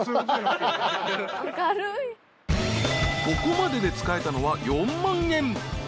［ここまでで使えたのは４万円］